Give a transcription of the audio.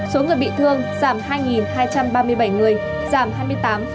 số người bị thương giảm hai hai trăm ba mươi bảy người giảm hai mươi tám